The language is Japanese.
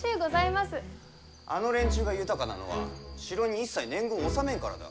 あの連中が豊かなのは城に一切年貢を納めんからだ。